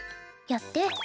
やって。